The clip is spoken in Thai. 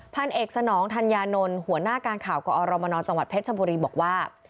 พันเอกสนองธัญญานนท์หัวหน้าการข่าวกอรมนจังหวัดเพชรชบุรีบอกว่า